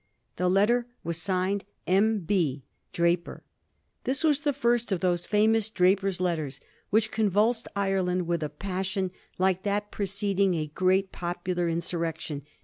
The letter was signed * M. B., Drapier/ This was the first of those famous Drapier's Letters which convulsed Ireland with a passion like that preceding a great popular insurrection.